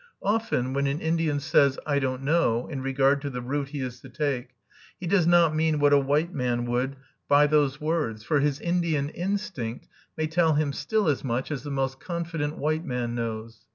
Often, when an Indian says, "I don't know," in regard to the route he is to take, he does not mean what a white man would by those words, for his Indian instinct may tell him still as much as the most confident white man knows.